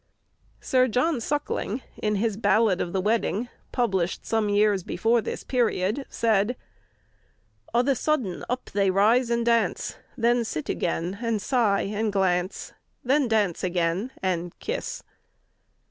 Sir John Suckling, in his "Ballad of the Wedding," published some years before this period, said: O' th' sudden up they rise and dance; Then sit again, and sigh, and glance; Then dance again, and kiss.